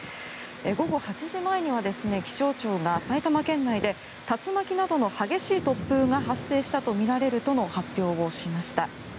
午後８時前には気象庁が埼玉県内で竜巻などの激しい突風が発生したとみられるとの発表をしました。